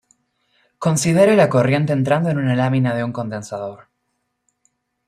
Considere la corriente entrando en una lámina de un condensador.